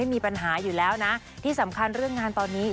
มีปัญหาอยู่แล้วนะที่สำคัญเรื่องงานตอนนี้